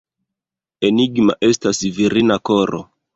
Enigma estas virina koro!